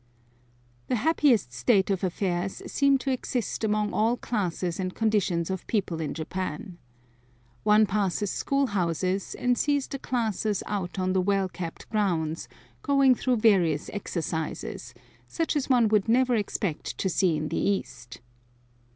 The happiest state of affairs seems to exist among all classes and conditions of people in Japan. One passes school houses and sees the classes out on the well kept grounds, going through various exercises, such as one would never expect to see in the East.